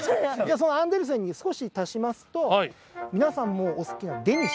そのアンデルセンに少し足しますと皆さんもお好きな。